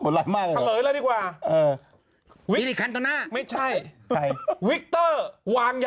สร้างความว่าจะเข้าไปขโมย